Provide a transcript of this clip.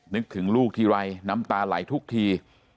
นึกถึงลูกทีไรน้ำตาไหลทุกที